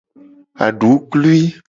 Aduklui.